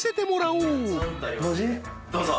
どうぞ。